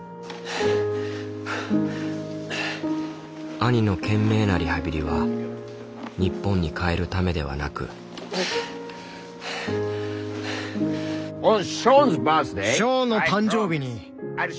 兄の懸命なリハビリは日本に帰るためではなくイ！